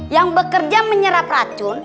yang bekerja menyerap racun